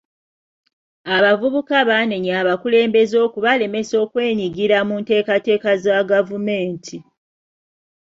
Abavubuka baanenya abakulembeze okubalemesa okwenyigira mu nteekateeka za gavumenti